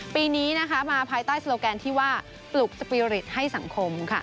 ปีนี้มาภายใต้โลแกนที่ว่าปลุกสปีริตให้สังคม